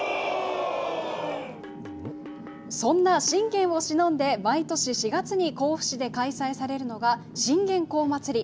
そんな信玄をしのんで毎年４月に甲府市で開催されるのが、信玄公祭り。